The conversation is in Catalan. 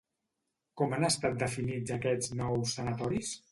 Com han estat definits aquests nous sanatoris?